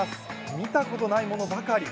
見たことないものばかり。